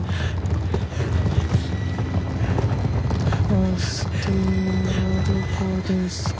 バス停はどこですか？